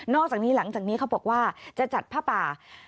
อกจากนี้หลังจากนี้เขาบอกว่าจะจัดผ้าป่า